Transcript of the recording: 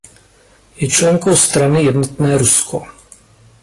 Je členkou strany Jednotné Rusko.